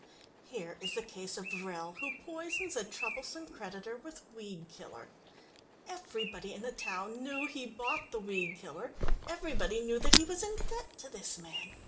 "Here is the case of Rell, who poisons a troublesome creditor with weed killer. Everybody in the town knew he bought the weed killer; everybody knew that he was in debt to this man.